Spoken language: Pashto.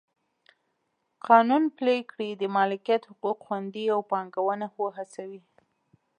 قانون پلی کړي د مالکیت حقوق خوندي او پانګونه وهڅوي.